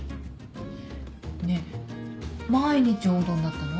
ねえ毎日おうどんだったの？